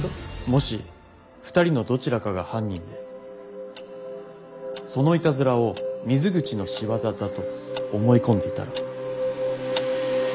もし２人のどちらかが犯人でそのイタズラを水口の仕業だと思い込んでいたら。